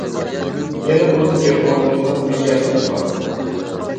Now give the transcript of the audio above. يەنە ئۇنىڭ گەپ ئاڭلايدىغان مىجەزىمۇ بار.